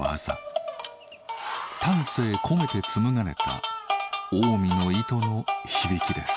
丹精込めて紡がれた近江の糸の響きです。